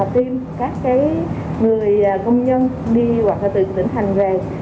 tiêm các người công nhân đi hoặc từ tỉnh thành về